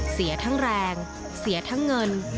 เสียทั้งแรงเสียทั้งเงิน